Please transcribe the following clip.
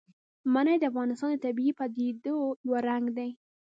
منی د افغانستان د طبیعي پدیدو یو رنګ دی.